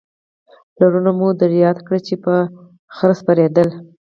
پلرونه مو در یاد کړئ چې په خره سپرېدل